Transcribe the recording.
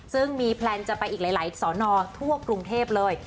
ซึ่งมีแพลนจะไปอีกหลายสอนอทั่วกรุงเทพเลย